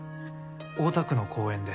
大田区の公園で。